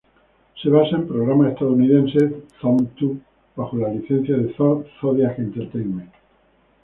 Se basa en programa estadounidense Zone Tube bajo la licencia de Zodiac Entertainment.